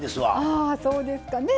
あそうですかね。